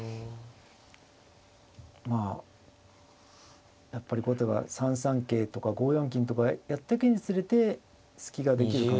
まあやっぱり後手は３三桂とか５四金とかやってくにつれて隙ができる可能性がありますのでね